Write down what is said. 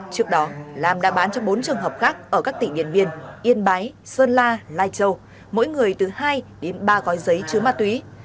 trước đó lam đã bán cho bốn trường hợp khác ở các tỉnh điện biên yên bái sơn la lai châu mỗi người từ hai đến ba gói giấy chứa ma túy